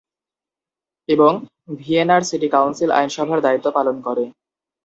এবং ভিয়েনার city council আইনসভার দায়িত্ব পালন করে।